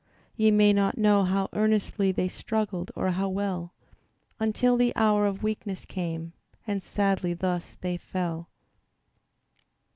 Ye may not know how earnestly They struggled, or how well, Until the hour of weakness came And sadly thus they fell.